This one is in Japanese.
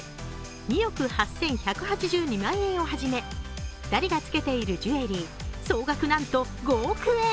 ２億８１８２万円をはじめ２人がつけているジュエリー、総額なんと５億円。